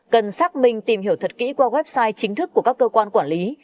cần xác minh tìm hiểu thật kỹ qua website chính thức của các cơ quan quản lý